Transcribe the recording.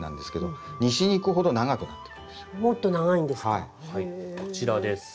はいこちらです。